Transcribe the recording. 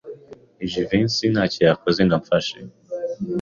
Jivency ntacyo yakoze ngo amfashe.